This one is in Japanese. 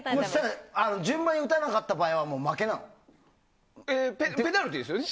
順番に打たなかった場合はペナルティーですよね。